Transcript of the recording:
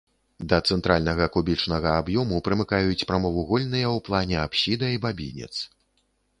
Да цэнтральнага кубічнага аб'ёму прымыкаюць прамавугольныя ў плане апсіда і бабінец.